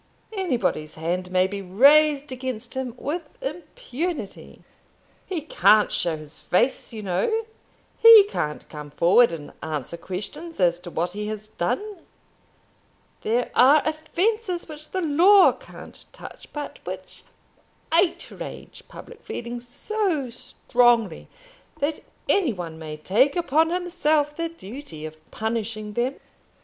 Anybody's hand may be raised against him with impunity. He can't show his face, you know. He can't come forward and answer questions as to what he has done. There are offences which the law can't touch, but which outrage public feeling so strongly that any one may take upon himself the duty of punishing them.